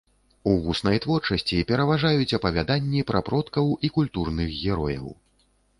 У вуснай творчасці пераважаюць апавяданні пра продкаў і культурных герояў.